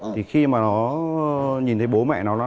thì khi mà nó nhìn thấy bố mẹ nó